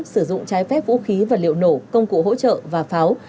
sử dụng trái phép vũ khí vật liệu nổ công cụ hỗ trợ và pháo